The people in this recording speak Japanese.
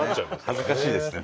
恥ずかしいですね